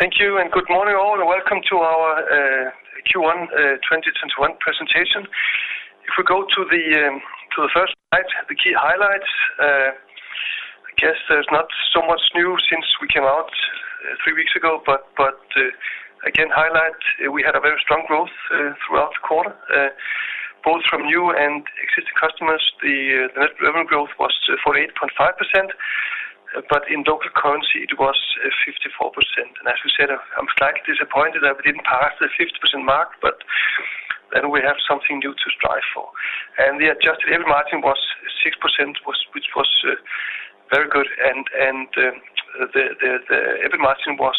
Thank you. Good morning all. Welcome to our Q1 2021 Presentation. If we go to the first slide, the key highlights. I guess there's not so much new since we came out three weeks ago, but again, highlight, we had a very strong growth throughout the quarter, both from new and existing customers. The net revenue growth was 48.5%, but in local currency it was 54%. As we said, I'm slightly disappointed that we didn't pass the 50% mark, but then we have something new to strive for. The adjusted EBIT margin was 6%, which was very good, and the EBIT margin was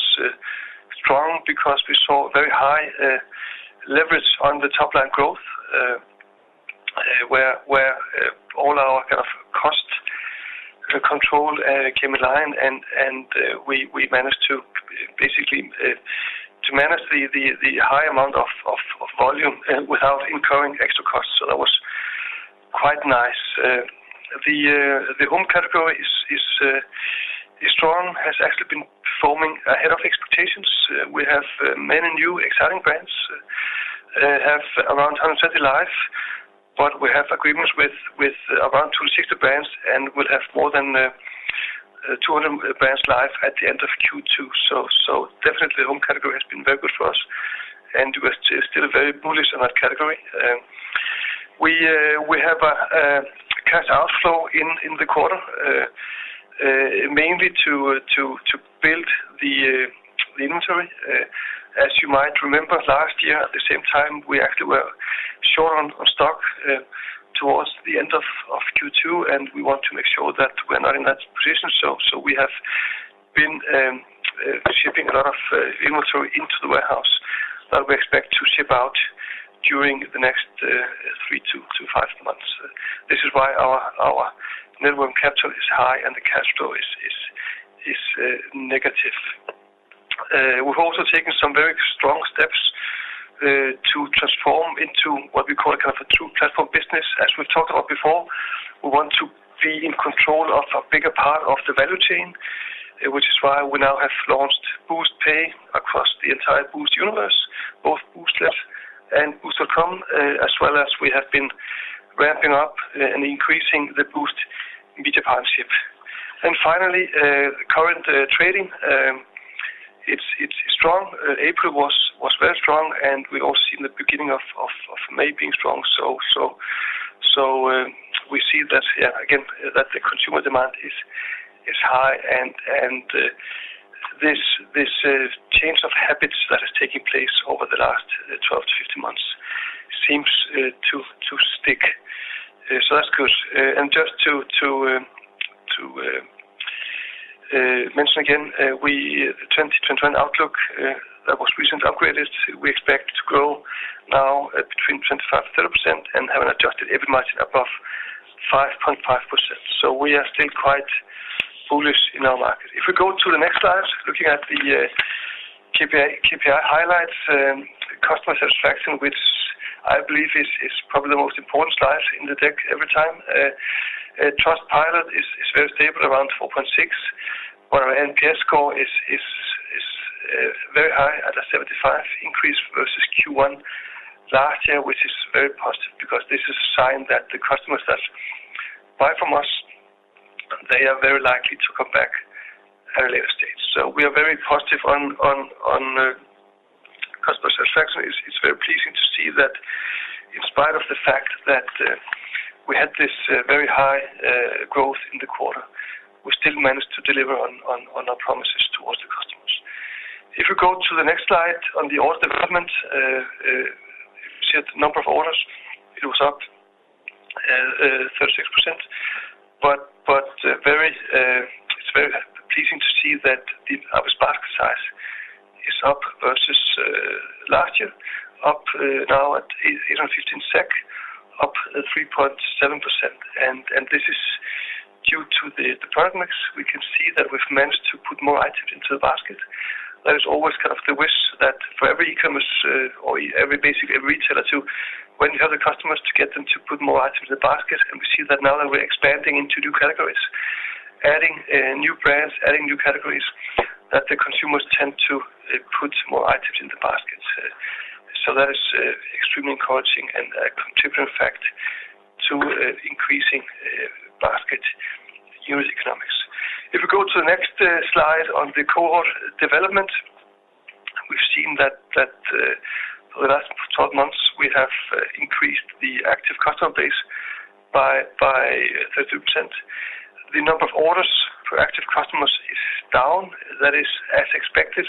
strong because we saw very high leverage on the top line growth, where all our kind of cost control came in line and we managed to basically manage the high amount of volume without incurring extra costs. That was quite nice. The home category is strong, has actually been performing ahead of expectations. We have many new exciting brands, have around 130 live, but we have agreements with around 260 brands and will have more than 200 brands live at the end of Q2. Definitely, the home category has been very good for us, and we're still very bullish on that category. We have a cash outflow in the quarter, mainly to build the inventory. As you might remember, last year at the same time, we actually were short on stock towards the end of Q2, and we want to make sure that we're not in that position. We have been shipping a lot of inventory into the warehouse that we expect to ship out during the next three to five months. This is why our net working capital is high and the cash flow is negative. We've also taken some very strong steps to transform into what we call a true platform business, as we've talked about before. We want to be in control of a bigger part of the value chain, which is why we now have launched Boozt Pay across the entire Boozt universe, both Booztlet and boozt.com, as well as we have been ramping up and increasing the Boozt Media Partnership. Finally, current trading. It's strong. April was very strong, and we also see the beginning of May being strong. We see that here again, that the consumer demand is high and this change of habits that is taking place over the last 12 to 15 months seems to stick. That's good. Just to mention again, our 2021 outlook that was recently upgraded, we expect to grow now at between 25%-30% and have an adjusted EBIT margin above 5.5%. We are still quite bullish in our market. If we go to the next slide, looking at the KPI highlights, customer satisfaction, which I believe is probably the most important slide in the deck every time. Trustpilot is very stable around 4.6, while our NPS score is very high at a 75 increase versus Q1 last year, which is very positive because this is a sign that the customers that buy from us, they are very likely to come back at a later stage. We are very positive on customer satisfaction. It's very pleasing to see that in spite of the fact that we had this very high growth in the quarter, we still managed to deliver on our promises towards the customers. If we go to the next slide on the order development, you see that the number of orders, it was up 36%, but it's very pleasing to see that the average basket size is up versus last year, up now at 815 SEK, up 3.7%. This is due to the product mix. We can see that we've managed to put more items into the basket. That is always kind of the wish that for every e-commerce or every basically retailer too, when you have the customers to get them to put more items in the basket. We see that now that we're expanding into new categories, adding new brands, adding new categories, that the consumers tend to put more items in the basket. That is extremely encouraging and a contributing factor to increasing basket unit economics. If we go to the next slide on the cohort development, we've seen that for the last 12 months, we have increased the active customer base by 30%. The number of orders for active customers is down. That is as expected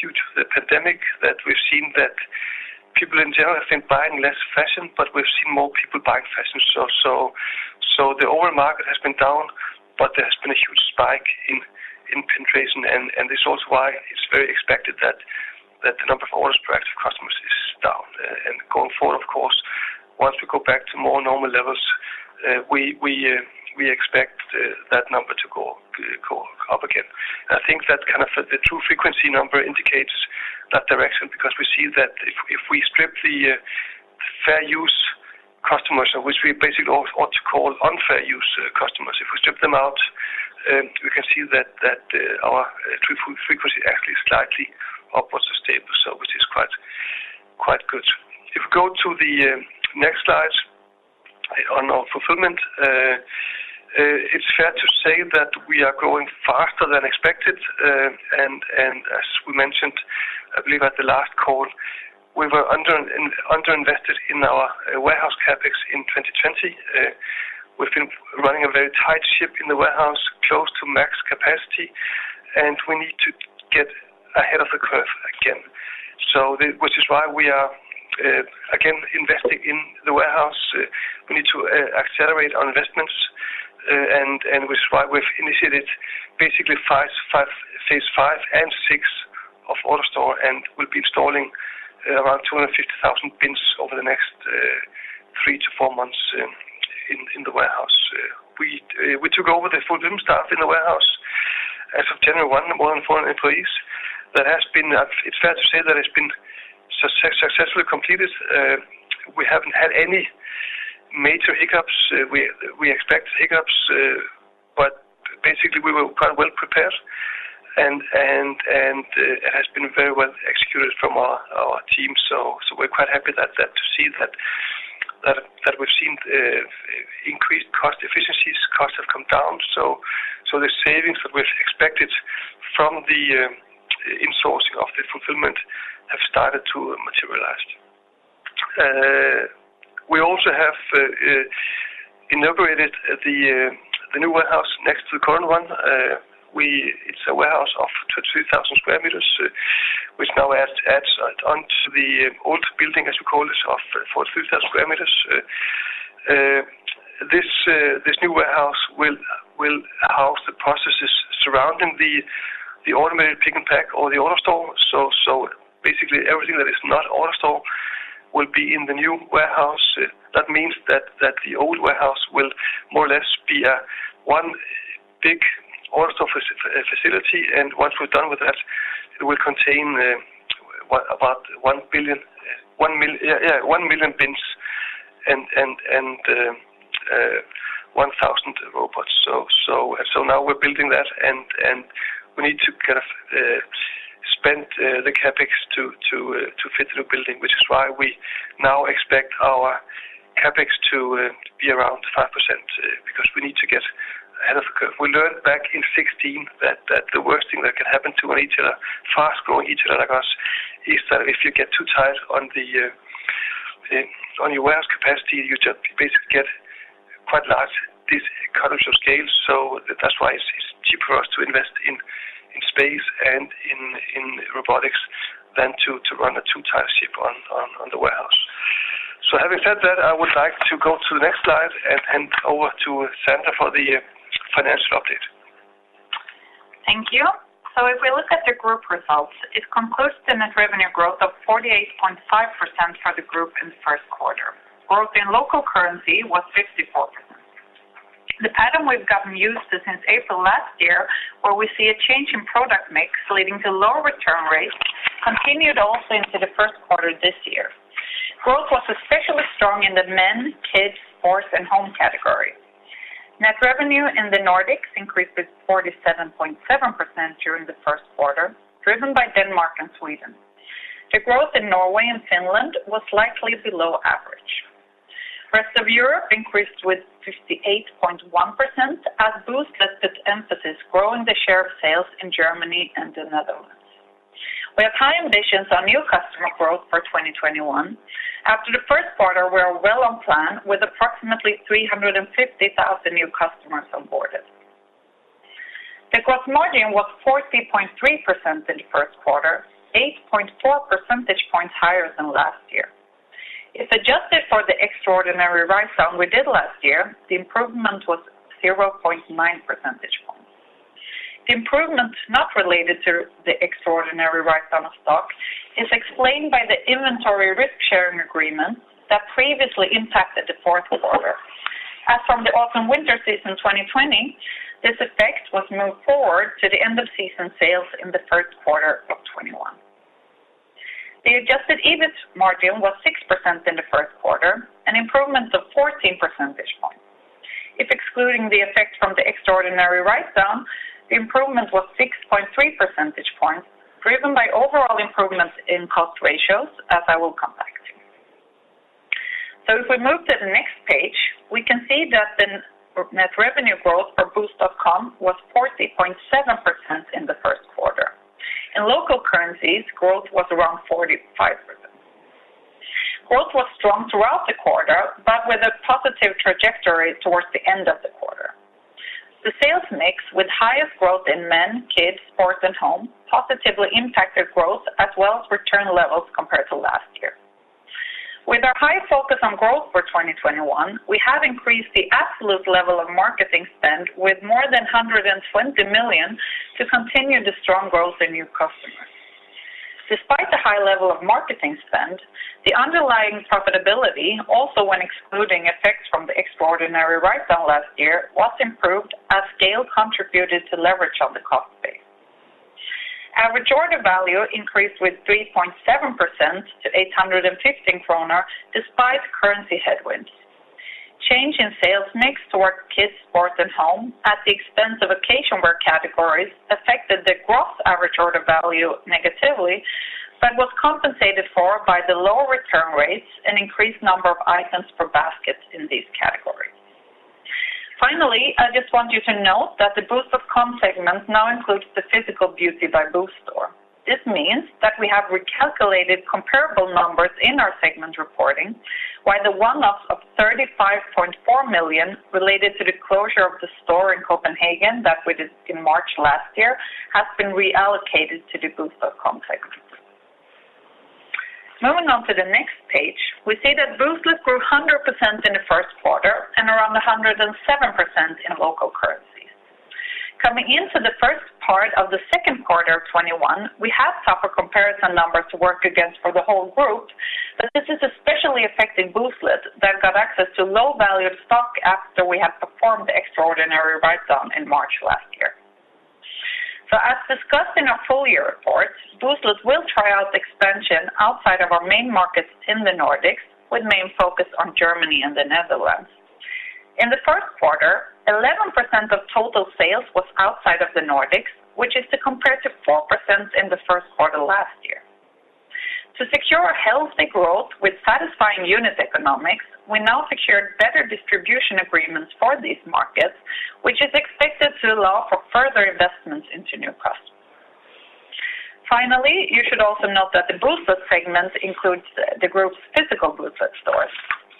due to the pandemic, that we've seen that people in general have been buying less fashion, but we've seen more people buying fashion. The overall market has been down, but there has been a huge spike in penetration, and this is also why it's very expected that the number of orders per active customers is down. Going forward, of course, once we go back to more normal levels, we expect that number to go up again. I think that kind of the true frequency number indicates that direction because we see that if we strip the fair use customers which we basically ought to call unfair use customers. If we strip them out, we can see that our frequency actually is slightly upwards sustainable, which is quite good. If we go to the next slide on our fulfillment, it's fair to say that we are growing faster than expected, and as we mentioned, I believe at the last call, we were under-invested in our warehouse CapEx in 2020. We've been running a very tight ship in the warehouse, close to max capacity, and we need to get ahead of the curve again. Which is why we are again investing in the warehouse. We need to accelerate our investments, which is why we've initiated basically phase 5 and 6 of AutoStore, and we'll be installing around 250,000 bins over the next three to four months in the warehouse. We took over the fulfillment staff in the warehouse as of January 1, more than 400 employees. It's fair to say that it's been successfully completed. We haven't had any major hiccups. We expected hiccups, basically we were quite well-prepared, and it has been very well executed from our team. We're quite happy to see that we've seen increased cost efficiencies. Costs have come down, the savings that we've expected from the insourcing of the fulfillment have started to materialize. We also have inaugurated the new warehouse next to the current one. It's a warehouse of 32,000 sq m, which now adds onto the old building, as you call it, of 43,000 sq m. This new warehouse will house the processes surrounding the automated pick and pack or the AutoStore. Basically everything that is not AutoStore will be in the new warehouse. That means that the old warehouse will more or less be one big AutoStore facility, and once we're done with that, it will contain about 1 million bins and 1,000 robots. Now we're building that, and we need to kind of spend the CapEx to fit the new building, which is why we now expect our CapEx to be around 5%, because we need to get ahead of the curve. We learned back in 2016 that the worst thing that can happen to a fast-growing retailer like us, is that if you get too tight on your warehouse capacity, you just basically get quite large economies of scale. That's why it's cheaper for us to invest in space and in robotics than to run a too-tight ship on the warehouse. Having said that, I would like to go to the next slide and hand over to Sandra Joy Sahlertz for the financial update. Thank you. If we look at the group results, it concludes the net revenue growth of 48.5% for the group in the first quarter. Growth in local currency was 54%. The pattern we've gotten used to since April last year, where we see a change in product mix leading to lower return rates, continued also into the first quarter this year. Growth was especially strong in the men's, kids, sports, and home category. Net revenue in the Nordics increased with 47.7% during the first quarter, driven by Denmark and Sweden. The growth in Norway and Finland was slightly below average. Rest of Europe increased with 58.1% as Boozt placed its emphasis growing the share of sales in Germany and the Netherlands. We have high ambitions on new customer growth for 2021. After the first quarter, we are well on plan with approximately 350,000 new customers onboarded. The gross margin was 40.3% in the first quarter, 8.4 percentage points higher than last year. If adjusted for the extraordinary write-down we did last year, the improvement was 0.9 percentage points. The improvement not related to the extraordinary write-down of stock is explained by the inventory risk-sharing agreement that previously impacted the fourth quarter. As from the autumn-winter season 2020, this effect was moved forward to the end-of-season sales in the first quarter of 2021. The adjusted EBIT margin was 6% in the first quarter, an improvement of 14 percentage points. If excluding the effect from the extraordinary write-down, the improvement was 6.3 percentage points, driven by overall improvements in cost ratios, as I will come back to. If we move to the next page, we can see that the net revenue growth for Boozt.com was 40.7% in the first quarter. In local currencies, growth was around 45%. Growth was strong throughout the quarter, but with a positive trajectory towards the end of the quarter. The sales mix with highest growth in men, kids, sports, and home positively impacted growth as well as return levels compared to last year. With our high focus on growth for 2021, we have increased the absolute level of marketing spend with more than 120 million to continue the strong growth in new customers. Despite the high level of marketing spend, the underlying profitability, also when excluding effects from the extraordinary write-down last year, was improved as scale contributed to leverage on the cost base. Average order value increased with 3.7% to 815 kronor despite currency headwinds. Change in sales mix toward kids, sports, and home at the expense of occasion wear categories affected the gross average order value negatively, but was compensated for by the lower return rates and increased number of items per basket in these categories. Finally, I just want you to note that the Boozt.com segment now includes the physical Beauty by Boozt store. This means that we have recalculated comparable numbers in our segment reporting, while the one-off of 35.4 million related to the closure of the store in Copenhagen that we did in March last year has been reallocated to the Boozt.com segment. Moving on to the next page, we see that Booztlet grew 100% in the first quarter and around 107% in local currency. Coming into the first part of the second quarter of 2021, we have tougher comparison numbers to work against for the whole group, but this is especially affecting Booztlet that got access to low-value stock after we have performed the extraordinary write-down in March last year. As discussed in our full year report, Booztlet will try out expansion outside of our main markets in the Nordics, with main focus on Germany and the Netherlands. In the first quarter, 11% of total sales was outside of the Nordics, which is to compare to 4% in the first quarter last year. To secure a healthy growth with satisfying unit economics, we now secured better distribution agreements for these markets, which is expected to allow for further investments into new customers. Finally, you should also note that the Booztlet segment includes the group's physical Booztlet stores.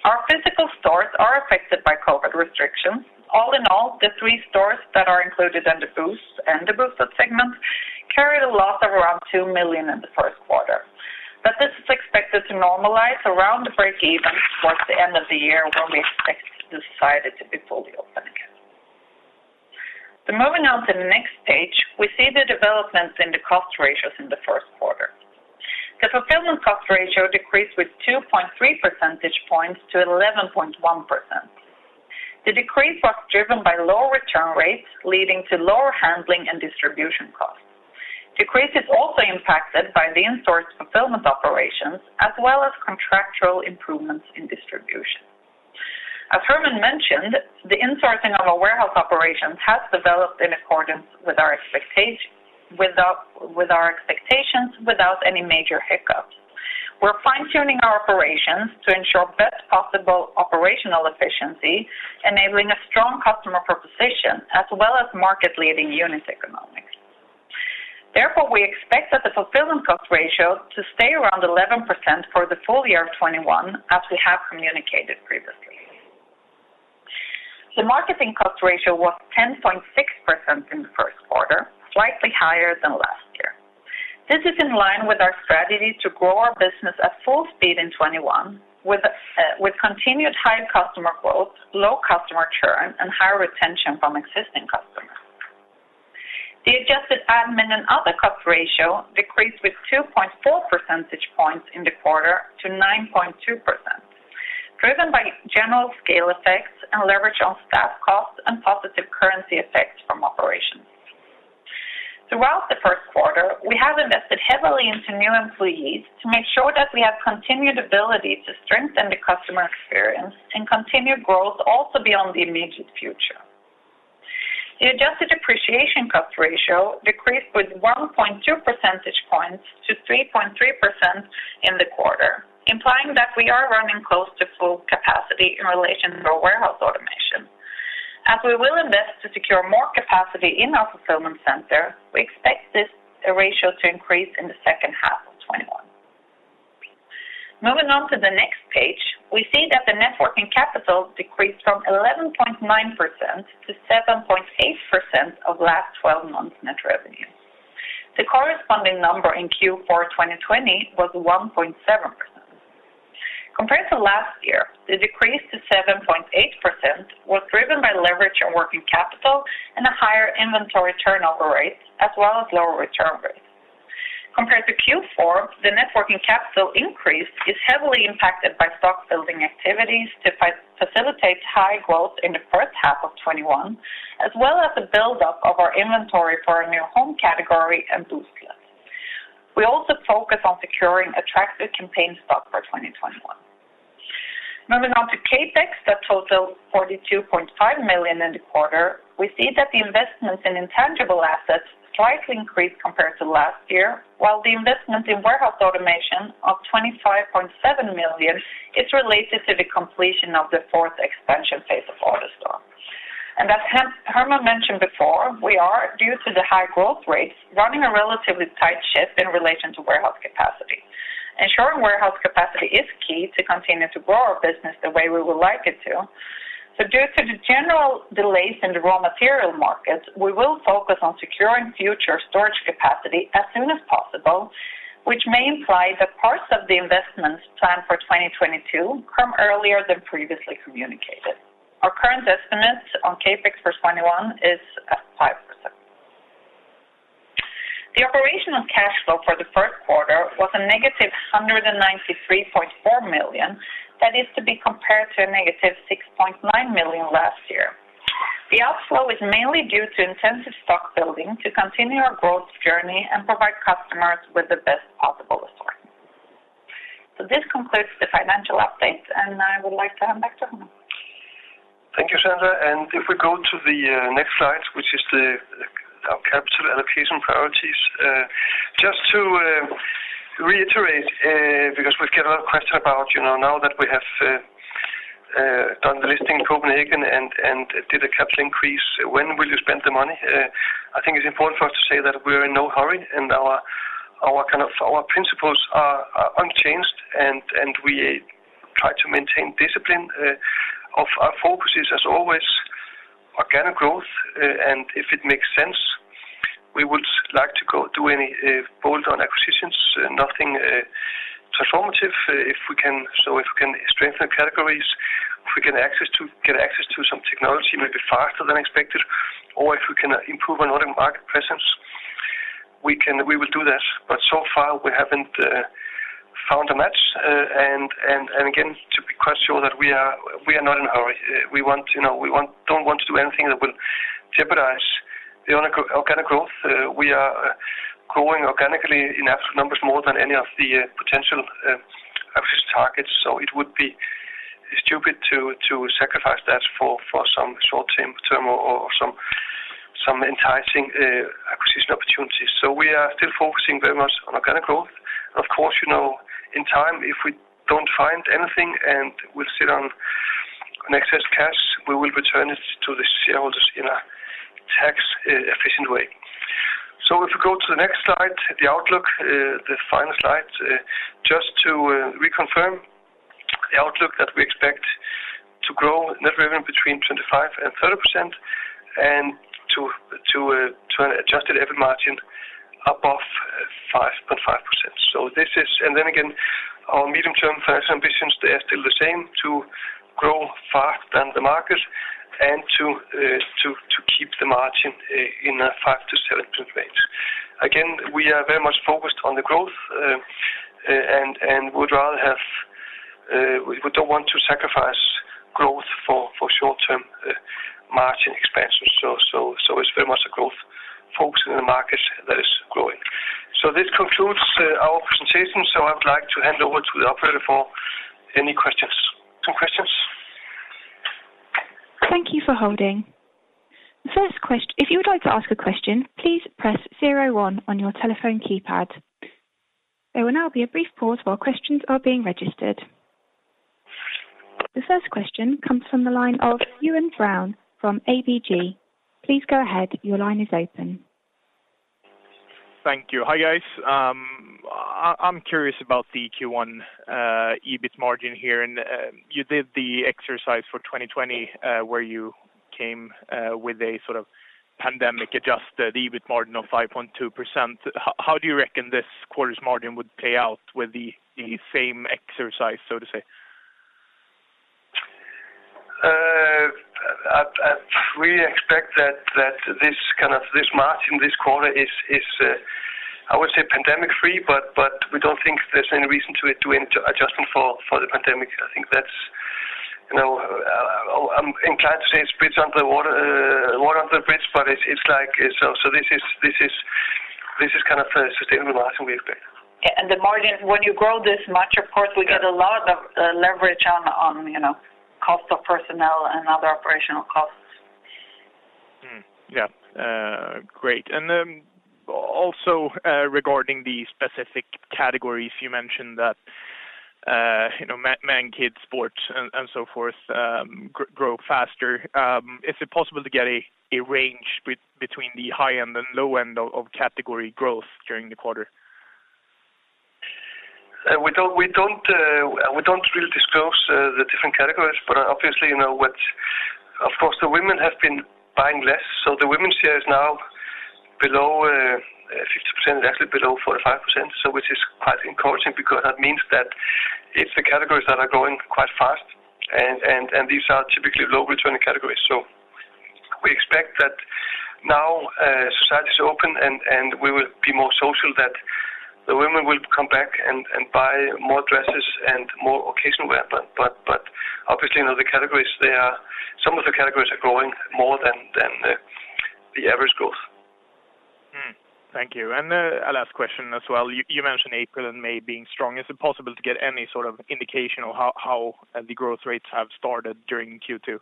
Our physical stores are affected by COVID restrictions. All in all, the three stores that are included in the Boozt and the Booztlet segments carried a loss of around 2 million in the first quarter. This is expected to normalize around the break even towards the end of the year when we expect the society to be fully open again. Moving on to the next page, we see the developments in the cost ratios in the first quarter. The fulfillment cost ratio decreased with 2.3 percentage points to 11.1%. The decrease was driven by lower return rates, leading to lower handling and distribution costs. Decrease is also impacted by the in-source fulfillment operations, as well as contractual improvements in distribution. As Hermann mentioned, the insourcing of our warehouse operations has developed in accordance with our expectations without any major hiccups. We're fine-tuning our operations to ensure best possible operational efficiency, enabling a strong customer proposition as well as market-leading unit economics. We expect that the fulfillment cost ratio to stay around 11% for the full year of 2021, as we have communicated previously. The marketing cost ratio was 10.6% in the first quarter, slightly higher than last year. This is in line with our strategy to grow our business at full speed in 2021 with continued high customer growth, low customer churn, and higher retention from existing customers. The adjusted Admin and other cost ratio decreased with 2.4 percentage points in the quarter to 9.2%, driven by general scale effects and leverage on staff costs and positive currency effects from operations. Throughout the first quarter, we have invested heavily into new employees to make sure that we have continued ability to strengthen the customer experience and continue growth also beyond the immediate future. The adjusted depreciation cost ratio decreased with 1.2 percentage points to 3.3% in the quarter, implying that we are running close to full capacity in relation to our warehouse automation. As we will invest to secure more capacity in our fulfillment center, we expect this ratio to increase in the second half of 2021. Moving on to the next page, we see that the net working capital decreased from 11.9%-7.8% of last 12 months net revenue. The corresponding number in Q4 2020 was 1.7%. Compared to last year, the decrease to 7.8% was driven by leverage on working capital and a higher inventory turnover rate, as well as lower return rates. Compared to Q4, the net working capital increase is heavily impacted by stock-building activities to facilitate high growth in the first half of 2021, as well as the buildup of our inventory for a new home category and Booztlet. We also focus on securing attractive campaign stock for 2021. Moving on to CapEx that totaled 42.5 million in the quarter, we see that the investments in intangible assets slightly increased compared to last year, while the investment in warehouse automation of 25.7 million is related to the completion of the fourth expansion phase of AutoStore. As Hermann mentioned before, we are, due to the high growth rates, running a relatively tight ship in relation to warehouse capacity. Ensuring warehouse capacity is key to continuing to grow our business the way we would like it to. Due to the general delays in the raw material markets, we will focus on securing future storage capacity as soon as possible, which may imply that parts of the investments planned for 2022 come earlier than previously communicated. Our current estimate on CapEx for 2021 is at 5%. The operational cash flow for the first quarter was a negative 193.4 million. That is to be compared to a negative 6.9 million last year. The outflow is mainly due to intensive stock building to continue our growth journey and provide customers with the best possible assortment. This concludes the financial update, and I would like to hand back to Hermann. Thank you, Sandra. If we go to the next slide, which is our capital allocation priorities. Just to reiterate, because we get a lot of questions about now that we have done the listing in Copenhagen and did a capital increase, when will you spend the money? I think it's important for us to say that we're in no hurry and our principles are unchanged, and we try to maintain discipline of our focuses as always, organic growth, and if it makes sense, we would like to go do any bolt-on acquisitions, nothing transformative. If we can strengthen categories, if we can get access to some technology maybe faster than expected, or if we can improve on our market presence, we will do that. So far, we haven't found a match. Again, to be quite sure that we are not in a hurry. We don't want to do anything that will jeopardize the organic growth. We are growing organically in absolute numbers more than any of the potential acquisition targets, so it would be stupid to sacrifice that for some short-term or some enticing acquisition opportunities. We are still focusing very much on organic growth. Of course, in time, if we don't find anything and we sit on an excess cash, we will return it to the shareholders in a tax-efficient way. If we go to the next slide, the outlook, the final slide. Just to reconfirm the outlook that we expect to grow net revenue between 25%-30% and to an adjusted EBIT margin above 5.5%. Then again, our medium-term financial ambitions, they are still the same, to grow faster than the market and to keep the margin in a 5%-7% range. Again, we are very much focused on the growth, and we don't want to sacrifice growth for short-term margin expansion. It's very much a growth focus in the market that is growing. This concludes our presentation. I would like to hand over to the operator for any questions. Some questions? [Thank you for holding. First, if you would like to ask a question, please press zero one on your telephone keypad. It will now be a place for questions being registered.] The first question comes from the line of Euan Brown from ABG. Thank you. Hi, guys. I'm curious about the Q1 EBIT margin here. You did the exercise for 2020, where you came with a sort of pandemic-adjusted EBIT margin of 5.2%. How do you reckon this quarter's margin would play out with the same exercise, so to say? I really expect that this margin this quarter is, I would say, pandemic-free. We don't think there's any reason to do any adjustment for the pandemic. I'm inclined to say it's water under the bridge. This is kind of a sustainable margin we expect. Yeah, the margin, when you grow this much, of course, we get a lot of leverage on cost of personnel and other operational costs. Yeah. Great. Also regarding the specific categories, you mentioned that Man, Kid, Sports, and so forth grow faster. Is it possible to get a range between the high end and low end of category growth during the quarter? We don't really disclose the different categories. Obviously, of course, the women have been buying less. The women's share is now below 50%, actually below 45%, which is quite encouraging because that means that it's the categories that are growing quite fast, and these are typically low-returning categories. We expect that now society is open and we will be more social, that the women will come back and buy more dresses and more occasional wear. Obviously, some of the categories are growing more than the average growth. Thank you. A last question as well. You mentioned April and May being strong. Is it possible to get any sort of indication of how the growth rates have started during Q2?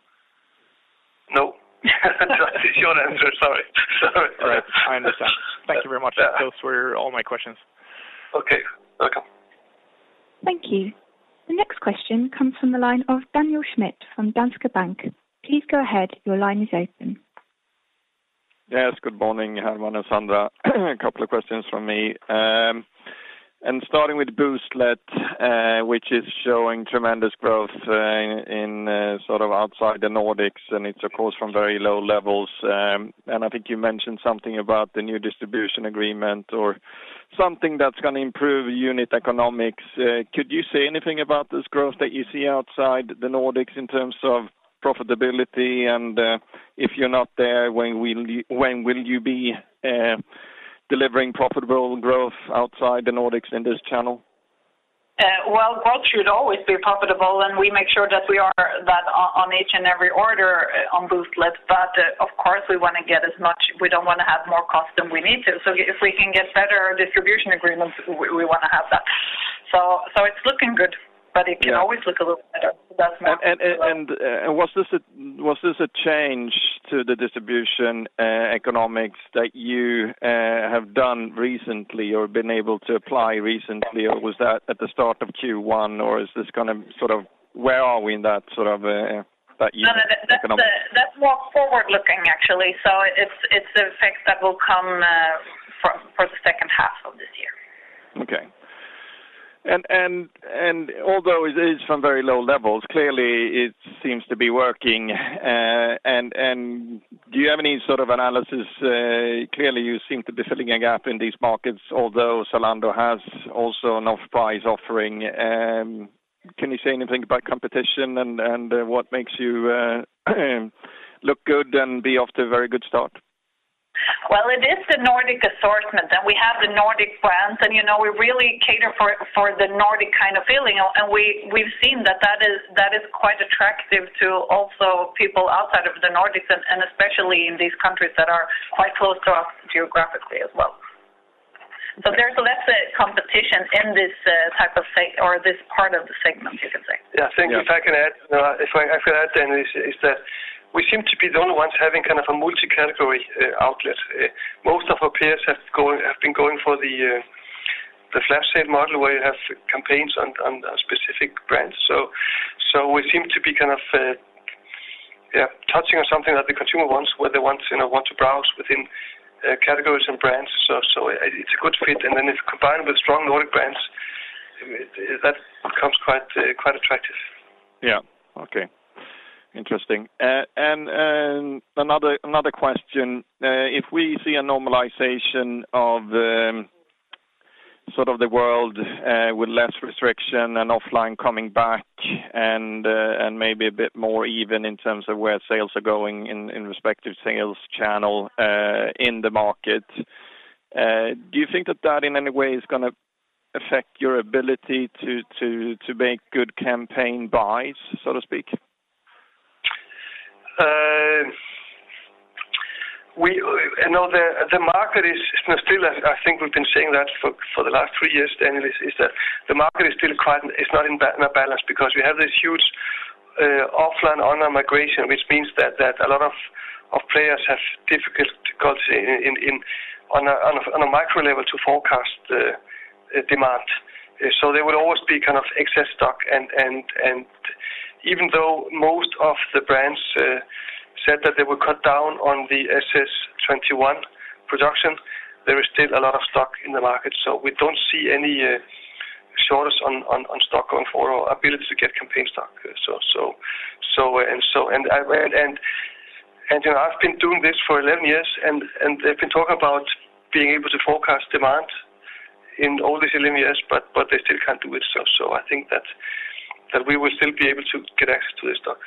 No. That's the short answer. Sorry. All right, I understand. Thank you very much. Those were all my questions. Okay. Welcome. Thank you. The next question comes from the line of Daniel Schmidt from Danske Bank. Yes, good morning, Hermann and Sandra. A couple of questions from me. Starting with Booztlet, which is showing tremendous growth in sort of outside the Nordics, and it's of course from very low levels. I think you mentioned something about the new distribution agreement or something that's going to improve unit economics. Could you say anything about this growth that you see outside the Nordics in terms of profitability? If you're not there, when will you be delivering profitable growth outside the Nordics in this channel? Well, growth should always be profitable and we make sure that we are that on each and every order on Booztlet but of course, we don't want to have more cost than we need to. If we can get better distribution agreements, we want to have that. It's looking good, but it can always look a little better. It does not- Was this a change to the distribution economics that you have done recently or been able to apply recently or was that at the start of Q1 or where are we in that unit economics? No, that's more forward-looking actually. It's an effect that will come for the second half of this year. Okay. Although it is from very low levels, clearly it seems to be working. Do you have any sort of analysis? Clearly you seem to be filling a gap in these markets, although Zalando has also an off-price offering. Can you say anything about competition and what makes you look good and be off to a very good start? Well, it is the Nordic assortment and we have the Nordic brands and we really cater for the Nordic kind of feeling. We've seen that is quite attractive to also people outside of the Nordics and especially in these countries that are quite close to us geographically as well. There's less competition in this type of thing or this part of the segment you can say. Yeah. Yeah. I think if I could add, Daniel, is that we seem to be the only ones having kind of a multi-category outlet. Most of our peers have been going for the flash sale model where you have campaigns on specific brands. We seem to be kind of touching on something that the consumer wants, where they want to browse within categories and brands. It's a good fit and then if combined with strong Nordic brands, that becomes quite attractive. Yeah. Okay. Interesting. Another question. If we see a normalization of sort of the world with less restriction and offline coming back and maybe a bit more even in terms of where sales are going in respective sales channel in the market, do you think that that in any way is going to affect your ability to make good campaign buys so to speak? The market is still, I think we've been saying that for the last 3 years, Daniel, is that the market is not in a balance because we have this huge offline/online migration which means that a lot of players have difficulties on a micro level to forecast demand. There will always be kind of excess stock and even though most of the brands said that they would cut down on the SS21 production, there is still a lot of stock in the market. We don't see any shortage on stock or ability to get campaign stock. I've been doing this for 11 years and they've been talking about being able to forecast demand in all these 11 years but they still can't do it. I think that we will still be able to get access to the stock.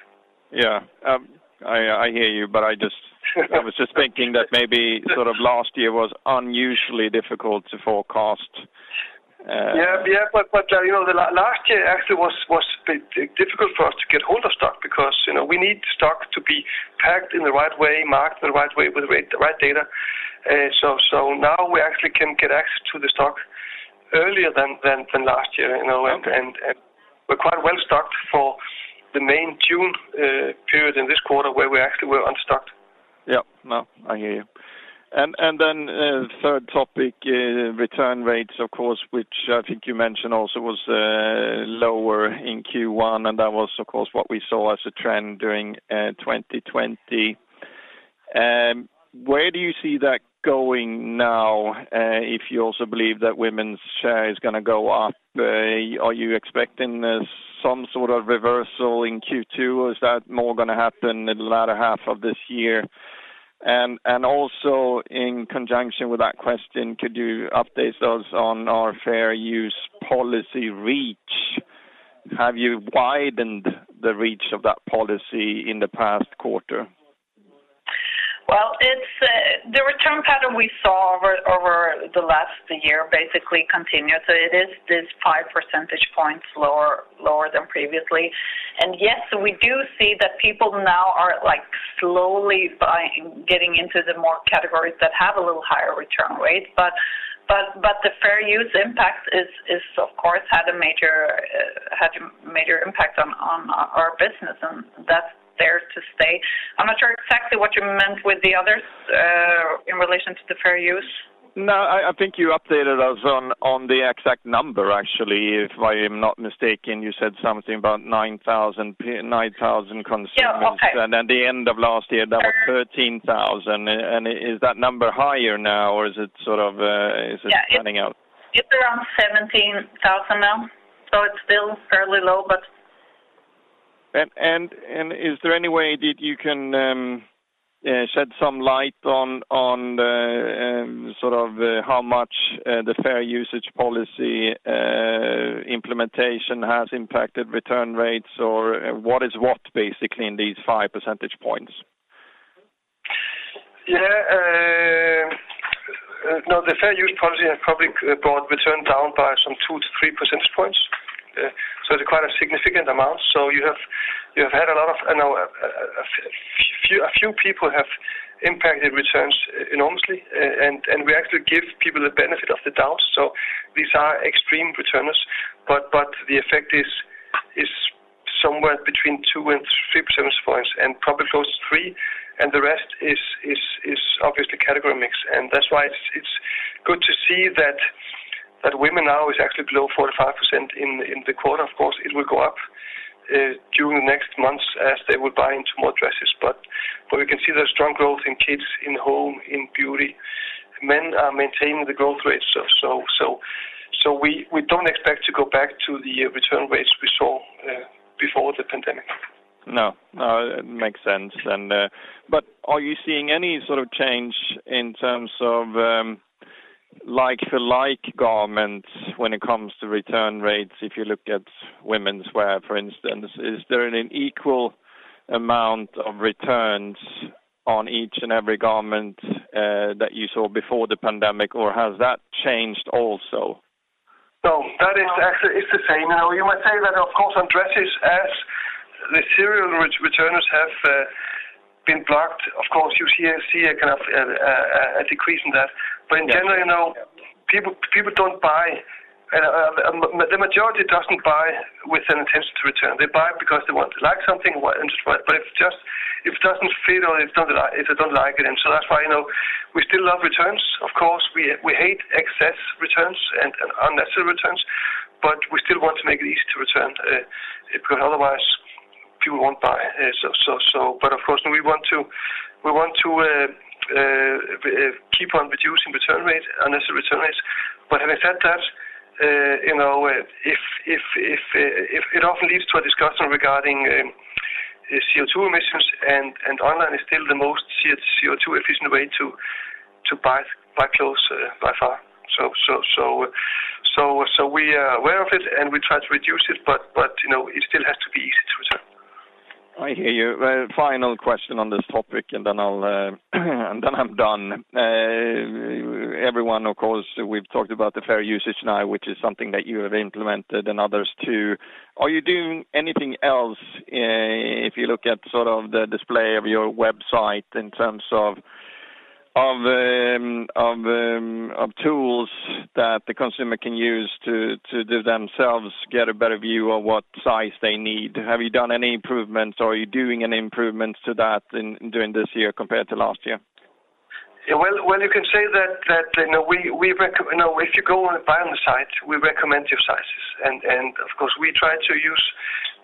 I hear you. I was just thinking that maybe sort of last year was unusually difficult to forecast. Yeah. Last year actually was a bit difficult for us to get hold of stock because we need stock to be packed in the right way, marked the right way with the right data. Now we actually can get access to the stock earlier than last year. Okay. We're quite well-stocked for the May-June period in this quarter where we actually were unstocked. Yeah. No, I hear you. Third topic, return rates of course which I think you mentioned also was lower in Q1 and that was of course what we saw as a trend during 2020. Where do you see that going now, if you also believe that women's share is going to go up? Are you expecting some sort of reversal in Q2? Is that more going to happen in the latter half of this year? In conjunction with that question, could you update us on our fair use policy reach? Have you widened the reach of that policy in the past quarter? Well, the return pattern we saw over the last year basically continues. It is this five percentage points lower than previously. Yes, we do see that people now are slowly getting into the more categories that have a little higher return rate but the fair use impact has of course had a major impact on our business and that's there to stay. I'm not sure exactly what you meant with the others in relation to the fair use. No, I think you updated us on the exact number actually. If I am not mistaken you said something about 9,000 consumers. Yeah. Okay. At the end of last year that was 13,000. Is that number higher now or is it sort of leveling out? It's around 17,000 now. It's still fairly low but. Is there any way that you can shed some light on sort of how much the fair usage policy implementation has impacted return rates or what is what basically in these five percentage points? No, the fair use policy has probably brought return down by some two to three percentage points. It's quite a significant amount. A few people have impacted returns enormously, and we actually give people the benefit of the doubt. These are extreme returners, but the effect is somewhere between 2 and 3 percentage points and probably closer to three. The rest is obviously category mix, and that's why it's good to see that women now is actually below 45% in the quarter. Of course, it will go up during the next months as they will buy into more dresses. We can see there's strong growth in kids, in home, in beauty. Men are maintaining the growth rate. We don't expect to go back to the return rates we saw before the pandemic. No. It makes sense. Are you seeing any sort of change in terms of like-for-like garments when it comes to return rates? If you look at womenswear, for instance, is there an equal amount of returns on each and every garment that you saw before the pandemic, or has that changed also? No, that is actually, it's the same. You might say that, of course, on dresses as the serial returners have been blocked. Of course, you see a kind of a decrease in that. In general, the majority doesn't buy with an intention to return. They buy because they want to like something, but if it doesn't fit or if they don't like it, and so that's why we still love returns. Of course, we hate excess returns and unnecessary returns, but we still want to make it easy to return, because otherwise people won't buy. Of course, we want to keep on reducing return rate, unnecessary return rates. Having said that, it often leads to a discussion regarding CO2 emissions and online is still the most CO2-efficient way to buy clothes by far. We are aware of it and we try to reduce it, but it still has to be easy to return. I hear you. Final question on this topic, and then I'm done. Everyone, of course, we've talked about the fair usage now, which is something that you have implemented and others, too. Are you doing anything else if you look at sort of the display of your website in terms of tools that the consumer can use to do themselves, get a better view of what size they need? Have you done any improvements or are you doing any improvements to that during this year compared to last year? You can say that if you go and buy on the site, we recommend your sizes. Of course, we try to use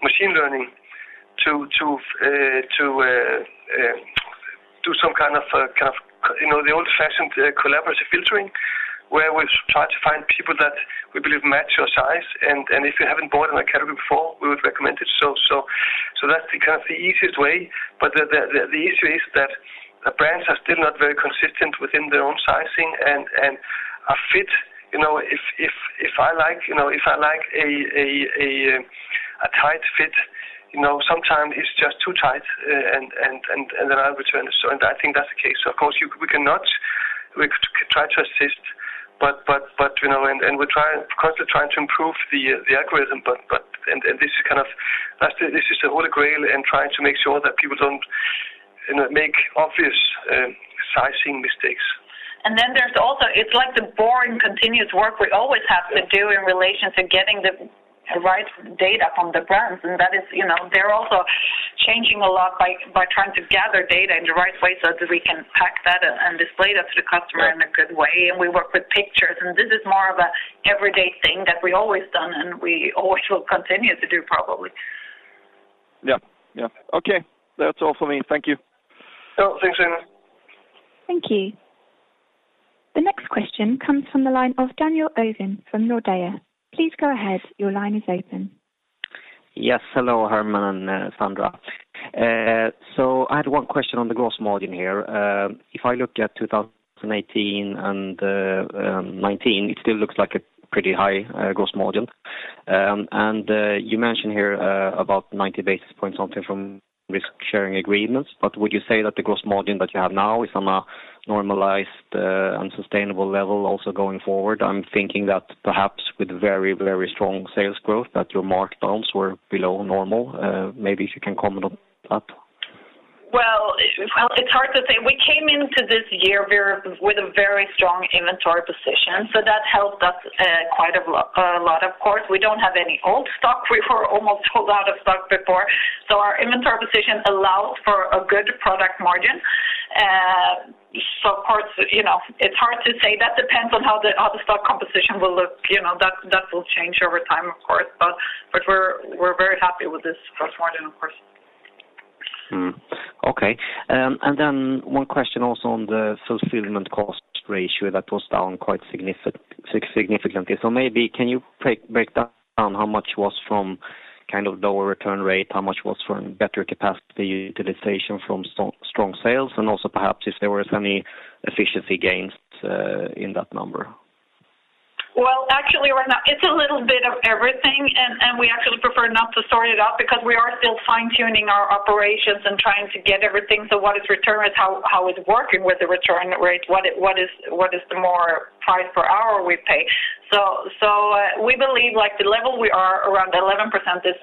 machine learning to do some kind of the old-fashioned collaborative filtering, where we try to find people that we believe match your size, and if you haven't bought in a category before, we would recommend it. That's the kind of the easiest way, but the issue is that brands are still not very consistent within their own sizing and a fit. If I like a tight fit, sometimes it's just too tight and then I'll return it. I think that's the case. Of course, we cannot. We try to assist, and we're constantly trying to improve the algorithm, and this is the holy grail in trying to make sure that people don't make obvious sizing mistakes. Then there's also, it's like the boring continuous work we always have to do in relation to getting the right data from the brands. That is, they're also changing a lot by trying to gather data in the right way so that we can pack that and display that to the customer in a good way. We work with pictures, and this is more of an everyday thing that we've always done, and we always will continue to do, probably. Yeah. Okay. That's all for me. Thank you. Oh, thanks, Daniel. Thank you. The next question comes from the line of Daniel Ovin from Nordea. Please go ahead. Your line is open. Yes. Hello, Hermann Haraldsson and Sandra. I had one question on the gross margin here. If I look at 2018 and 2019, it still looks like a pretty high gross margin. You mentioned here about 90 basis points something from risk-sharing agreements, would you say that the gross margin that you have now is on a normalized and sustainable level also going forward? I'm thinking that perhaps with very, very strong sales growth, that your markdowns were below normal. Maybe if you can comment on that. It's hard to say. We came into this year with a very strong inventory position, so that helped us quite a lot, of course. We don't have any old stock. We were almost sold out of stock before. Our inventory position allows for a good product margin. Of course, it's hard to say. That depends on how the other stock composition will look. That will change over time, of course. We're very happy with this gross margin, of course. Okay. One question also on the fulfillment cost ratio that was down quite significantly. Maybe can you break down how much was from kind of lower return rate, how much was from better capacity utilization from strong sales, and also perhaps if there was any efficiency gains in that number? Actually, it's a little bit of everything, and we actually prefer not to sort it out because we are still fine-tuning our operations and trying to get everything. What is return? How is it working with the return rate? What is the more price per hour we pay? We believe the level we are around 11% is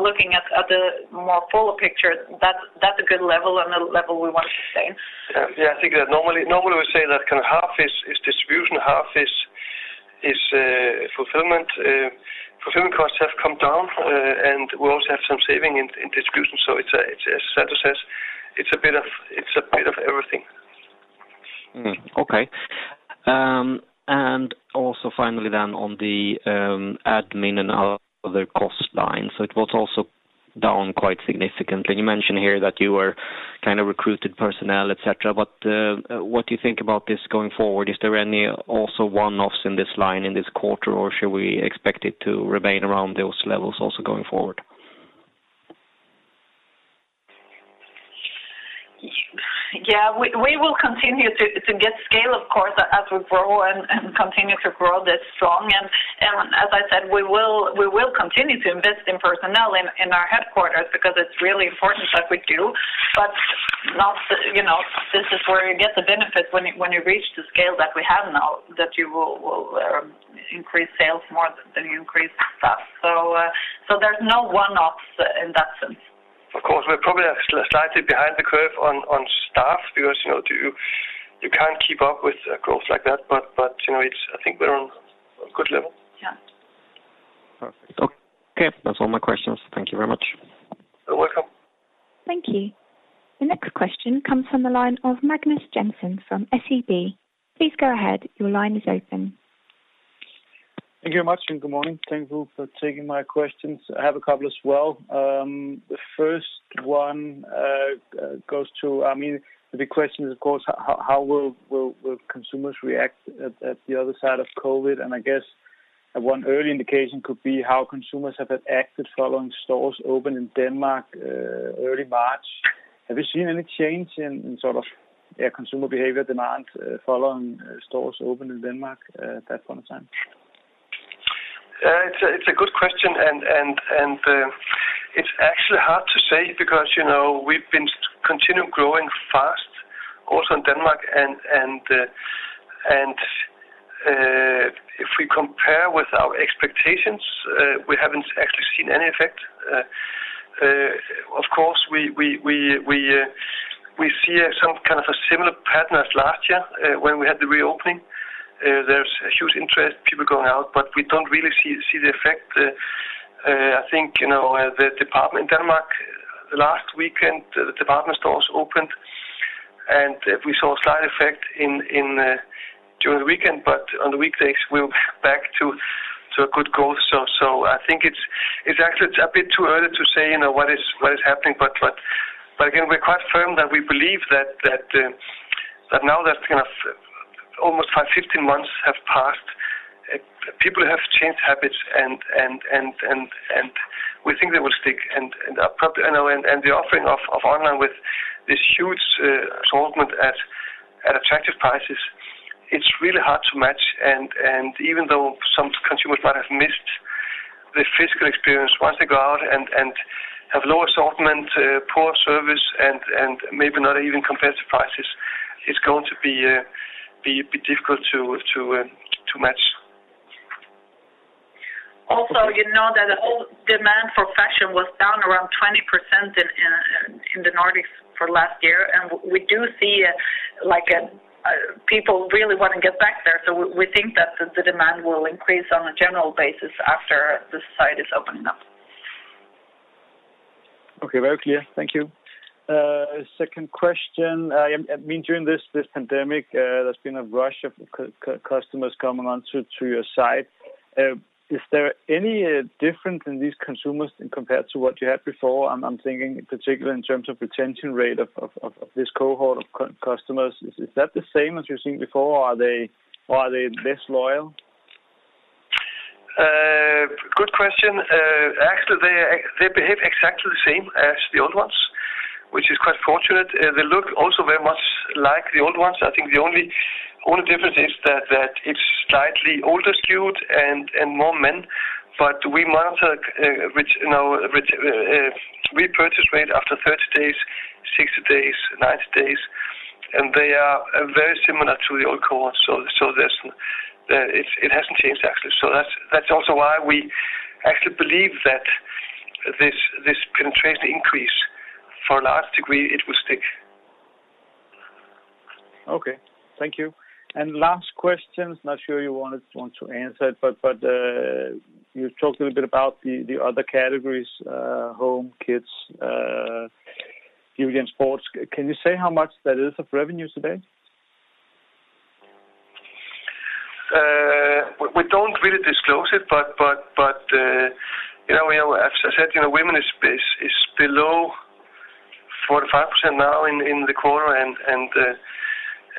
looking at the more fuller picture, that's a good level and a level we want to stay. Yeah, I think that normally we say that kind of half is distribution, half is fulfillment. Fulfillment costs have come down, and we also have some saving in distribution. As Sandra says, it's a bit of everything. Okay. Also finally on the admin and other cost line. It was also down quite significantly. You mentioned here that you were recruiting personnel, et cetera, but what do you think about this going forward? Is there any also one-offs in this line in this quarter, or should we expect it to remain around those levels also going forward? Yeah, we will continue to get scale, of course, as we grow and continue to grow this strong. As I said, we will continue to invest in personnel in our headquarters because it's really important that we do. This is where you get the benefit when you reach the scale that we have now, that you will increase sales more than you increase staff. There's no one-offs in that sense. We're probably slightly behind the curve on staff because you can't keep up with growth like that, but I think we're on a good level. Yeah. Perfect. Okay, that's all my questions. Thank you very much. You're welcome. Thank you. The next question comes from the line of Magnus Jensen from SEB. Thank you very much. Good morning. Thank you for taking my questions. I have a couple as well. The first one goes to, the big question is, of course, how will consumers react at the other side of COVID? I guess one early indication could be how consumers have acted following stores open in Denmark early March. Have you seen any change in consumer behavior demand following stores open in Denmark that point of time? It's a good question, and it's actually hard to say because we've been continuing growing fast, also in Denmark, and if we compare with our expectations, we haven't actually seen any effect. Of course, we see some kind of a similar pattern as last year when we had the reopening. There's huge interest, people going out, but we don't really see the effect. I think, the department in Denmark, the last weekend, the department stores opened, and we saw a slight effect during the weekend. On the weekdays, we're back to a good growth. I think it's actually a bit too early to say what is happening. Again, we're quite firm that we believe that now that almost 15 months have passed, people have changed habits, and we think they will stick. The offering of online with this huge assortment at attractive prices, it's really hard to match. Even though some consumers might have missed the physical experience, once they go out and have low assortment, poor service, and maybe not even competitive prices, it's going to be difficult to match. [Also] you know that the whole demand for fashion was down around 20% in the Nordics for last year, and we do see people really want to get back there. We think that the demand will increase on a general basis after the site is opening up. Okay. Very clear. Thank you. Second question. During this pandemic, there's been a rush of customers coming onto your site. Is there any difference in these consumers compared to what you had before? I'm thinking particularly in terms of retention rate of this cohort of customers. Is that the same as you've seen before, or are they less loyal? Good question. Actually, they behave exactly the same as the old ones, which is quite fortunate. They look also very much like the old ones. I think the only difference is that it's slightly older skewed and more men. We monitor repurchase rate after 30 days, 60 days, 90 days, and they are very similar to the old cohort, so it hasn't changed, actually. That's also why we actually believe that this potential increase, for a large degree, it will stick. Okay. Thank you. Last question, not sure you want to answer it, but you talked a little bit about the other categories, home, kids, beauty, and sports. Can you say how much that is of revenue today? We don't really disclose it, but as I said, women is below 45% now in the quarter, and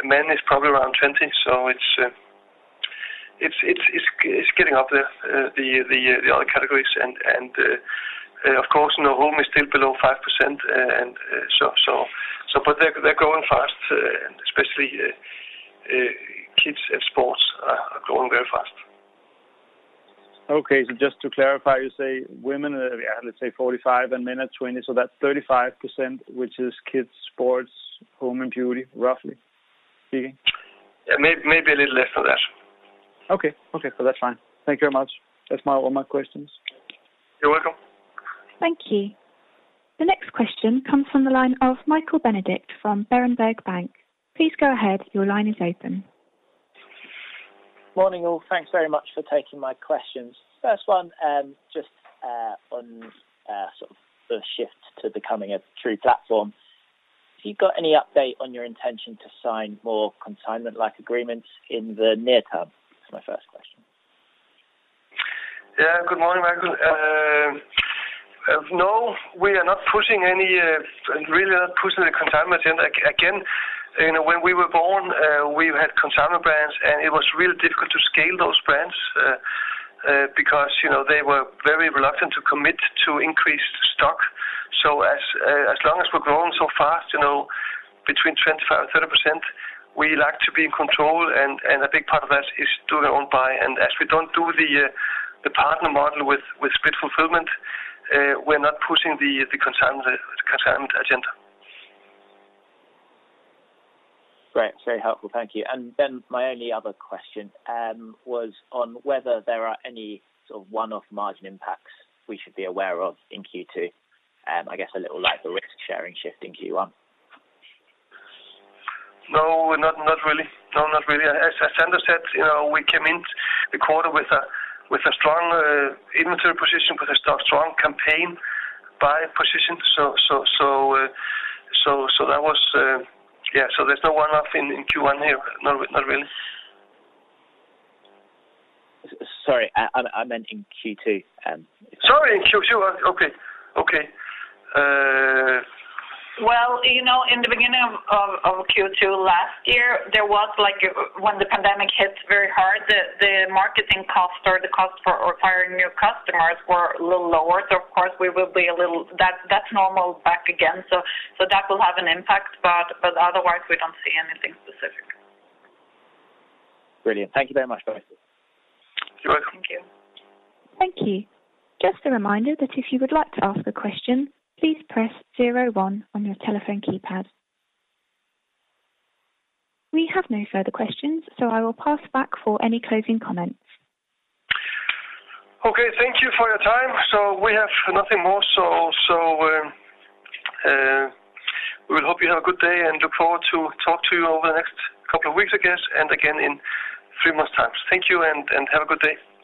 men is probably around 20%. It's getting up there, the other categories and of course, home is still below 5%. They're growing fast, especially kids and sports are growing very fast. Okay. Just to clarify, you say women are, let's say 45% and men are 20%, so that's 35%, which is kids, sports, home, and beauty, roughly speaking? Maybe a little less than that. Okay. That's fine. Thank you very much. That's all my questions. You're welcome. Thank you. The next question comes from the line of Michael Benedict from Berenberg Bank. Please go ahead. Your line is open. Morning, all. Thanks very much for taking my questions. First one, just on sort of the shift to becoming a true platform. Have you got any update on your intention to sign more consignment-like agreements in the near term? That's my first question. Yeah. Good morning, Michael. No, we are not pushing the consignment agenda. Again, when we were born, we had consignment brands, and it was really difficult to scale those brands, because they were very reluctant to commit to increased stock. As long as we're growing so fast, between 25%-30%, we like to be in control, and a big part of that is do the own buy. As we don't do the partner model with split fulfillment, we're not pushing the consignment agenda. Great. Very helpful. Thank you. My only other question was on whether there are any sort of one-off margin impacts we should be aware of in Q2, I guess a little like the risk-sharing shift in Q1. No, not really. As Sandra said, we came into the quarter with a strong inventory position, with a strong campaign buy position. There's no one-off in Q1 here, not really. Sorry, I meant in Q2. Sorry, in Q2. Okay. [Well, you know-] in the beginning of Q2 last year, when the pandemic hit very hard, the marketing cost or the cost for acquiring new customers were a little lower. Of course, that's normal back again. That will have an impact. Otherwise, we don't see anything specific. Brilliant. Thank you very much, guys. You're welcome. Thank you. Thank you. Just a reminder that if you would like to ask a question, please press 01 on your telephone keypad. We have no further questions, so I will pass back for any closing comments. Okay. Thank you for your time. We have nothing more. We hope you have a good day and look forward to talk to you over the next couple of weeks, I guess, and again in three months time. Thank you and have a good day.